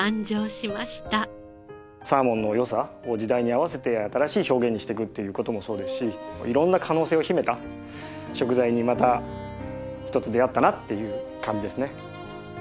サーモンの良さを時代に合わせて新しい表現にしていくっていう事もそうですし色んな可能性を秘めた食材にまた一つ出会ったなっていう感じですね。